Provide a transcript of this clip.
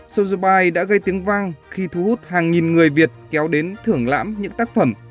suzubai đã gây tiếng vang khi thu hút hàng nghìn người việt kéo đến thưởng lãm những tác phẩm